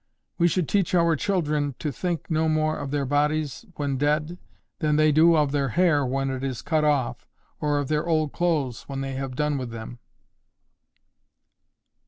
We should teach our children to think no more of their bodies when dead than they do of their hair when it is cut off, or of their old clothes when they have done with them.